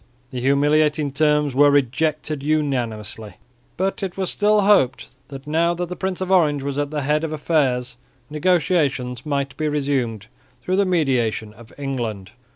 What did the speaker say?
The humiliating terms were rejected unanimously, but it was still hoped that now that the Prince of Orange was at the head of affairs negotiations might be resumed through the mediation of England.